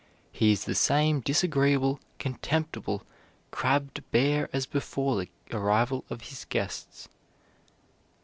He is the same disagreeable, contemptible, crabbed bear as before the arrival of his guests.